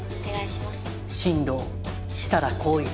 新郎設楽紘一。